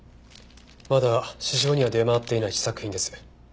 まだ市場には出回っていない試作品です。